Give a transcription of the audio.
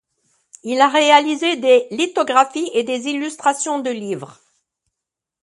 Il a réalisé des lithographies et des illustrations de livres.